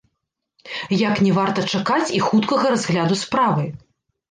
Як не варта чакаць і хуткага разгляду справы.